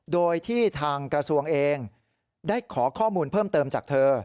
โดยที่ทางกระทรวงเองได้ขอข้อมูลเพิ่มเติมจากเธอ